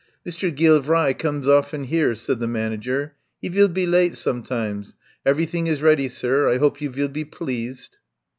"Mr. Geelvrai comes often here," said the manager. "He vill be late — sometimes. Everything is ready, sir. I hope you vill be pleased."